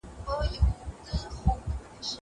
کېدای سي بوټونه ګنده وي.